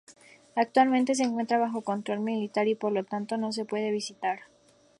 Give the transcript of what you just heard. Actualmente se encuentra bajo control militar y por lo tanto no se puede visitar.